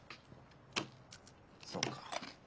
そうか。